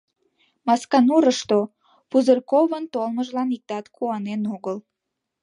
Масканурышто Пузырьковын толмыжлан иктат куанен огыл.